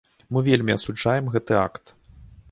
Мы вельмі асуджаем гэты акт.